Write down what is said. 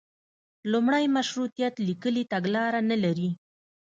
لومړی مشروطیت لیکلي تګلاره نه لري.